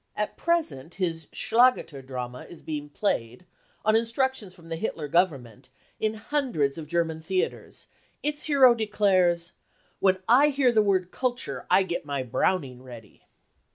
At present his Schlageter drama is being played, on instructions from the Hitler Government, in hundreds of German theatres ; its hero declares :" When I hear the word culture, I get my Browning ready